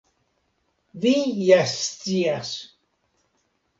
Vi ja scias!